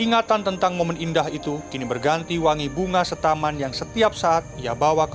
ingatan tentang momen indah itu kini berganti wangi bunga setaman yang setiap saat ia bawa ke